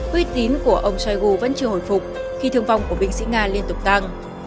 uy tín của ông shoigu vẫn chưa hồi phục khi thương vong của binh sĩ nga liên tục tăng